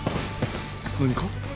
何か？